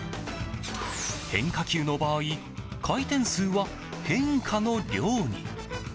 変化球の場合回転数は変化の量に。